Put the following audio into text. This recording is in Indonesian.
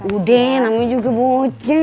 udah namanya juga bocah